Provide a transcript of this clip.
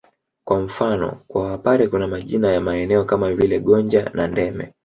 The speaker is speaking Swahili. Kwa mfano kwa Wapare kuna majina ya maeneo kama vile Gonja na Ndeme